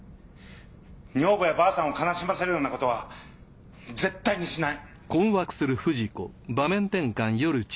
女房やばあさんを悲しませるようなことは絶対にしない。